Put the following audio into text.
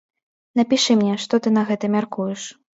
Напішы мне, што ты на гэта мяркуеш.